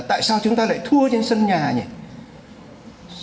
tại sao chúng ta lại thua trên sân nhà nhé